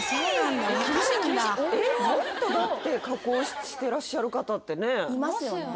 もっとだって加工してらっしゃる方ってねいますよね